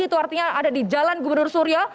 itu artinya ada di jalan gubernur surya